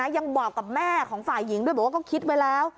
ยังบอกกับแม่ของฝ่ายหญิงด้วยบอกว่าก็คิดไว้แล้ว